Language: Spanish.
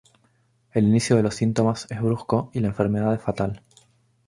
El inicio de los síntomas es brusco y la enfermedad es fatal.